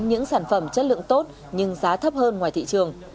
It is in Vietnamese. những sản phẩm chất lượng tốt nhưng giá thấp hơn ngoài thị trường